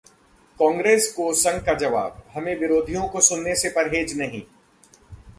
कांग्रेस को संघ का जवाब: हमें विरोधियों को सुनने से परहेज नहीं